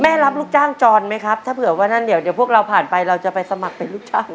รับลูกจ้างจรไหมครับถ้าเผื่อวันนั้นเดี๋ยวพวกเราผ่านไปเราจะไปสมัครเป็นลูกจ้าง